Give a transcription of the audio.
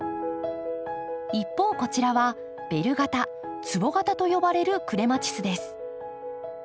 一方こちらはベル形つぼ形と呼ばれるクレマチスです。